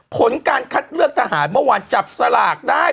ผลการคัดเลือกทหารเมื่อวานจับสลากได้